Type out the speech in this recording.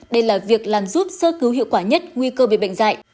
đây là việc làm giúp sơ cứu hiệu quả nhất nguy cơ về bệnh dạy